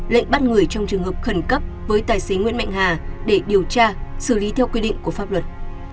lệnh bắt người trong trường hợp khẩn cấp với tài xế nguyễn mạnh hà để điều tra xử lý theo quy định của pháp luật